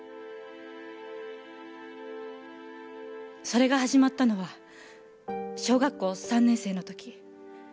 それが始まったのは小学校３年生の時。